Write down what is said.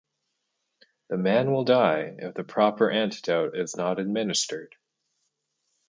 The man will die if the proper antidote is not administered.